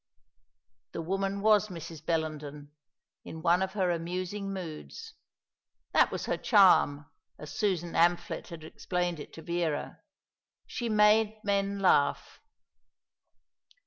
The woman was Mrs. Bellenden, in one of her amusing moods. That was her charm, as Susan Amphlett had explained it to Vera. She made men laugh.